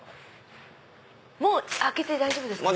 もう開けて大丈夫ですかね？